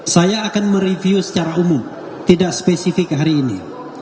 saya akan mereview secara umum tidak spesifik hari ini